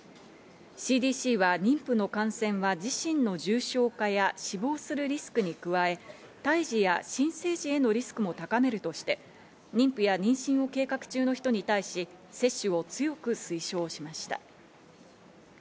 ＣＤＣは妊婦の感染は自身の重症化や死亡するリスクに加え、胎児や新生児へのリスクも高めるとして、妊婦や妊娠を計画中の人に対し接種を強く推奨しました。